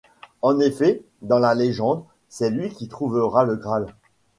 En effet, dans la légende, c'est lui qui trouvera le Graal.